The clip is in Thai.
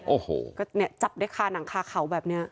โอ้โหก็เนี่ยจับได้คาหนังคาเขาแบบนี้